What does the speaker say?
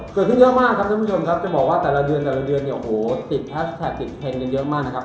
เกิดขึ้นมากครับทุกพี่คลุมครับจะบอกแต่ละเดือนเงียวติดแพสแตกติดเพลงเยอะมากนะครับ